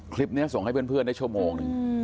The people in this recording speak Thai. คลิปนี้ส่งให้เพื่อนได้ชั่วโมงหนึ่ง